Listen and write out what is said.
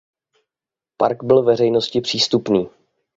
Park byl veřejnosti přístupný.